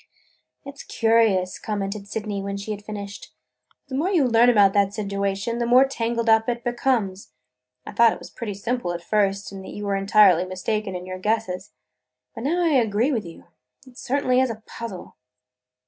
"It 's curious," commented Sydney when she had finished, "but the more you learn about that situation the more tangled up it becomes. I thought it pretty simple at first and that you were entirely mistaken in your guesses. But now I agree with you: it certainly is a puzzle!"